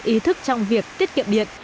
ý thức trong việc tiết kiệm điện